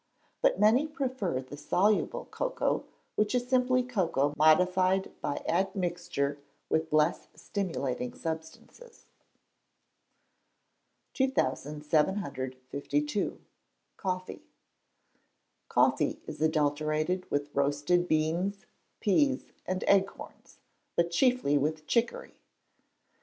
But many prefer the soluble cocoa, which is simply cocoa modified by admixture with less stimulating substances. 2752. Coffee. Coffee is adulterated with roasted beans, peas, and acorns; but chiefly with chicory.